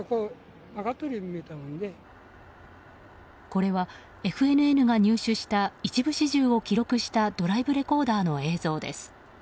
これはＦＮＮが入手した一部始終を記録したドライブレコーダーの映像です。